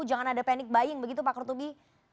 jangan ada panik baying begitu pak kurtubi